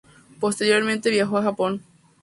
Posteriormente viajó a Japón.